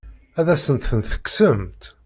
Ad asent-ten-tekksemt?